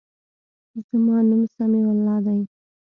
زما نوم سمیع الله دی.